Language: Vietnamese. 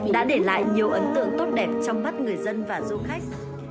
đã để lại nhiều ấn tượng tốt đẹp trong mắt người dân và du khách